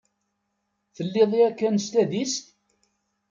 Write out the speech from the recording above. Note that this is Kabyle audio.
Telliḍ yakan s tadist?